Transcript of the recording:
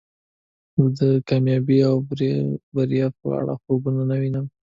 زه د کامیابۍ او بریا په اړه خوبونه نه وینم.